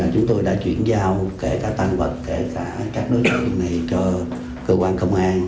chúng tôi đã chuyển giao kể cả tăng vật kể cả các đối tượng này cho cơ quan công an